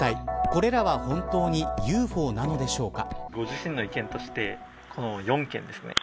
これらは本当にＵＦＯなのでしょうか。